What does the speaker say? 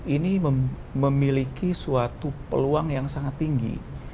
ini memiliki suatu peluang yang sangat tinggi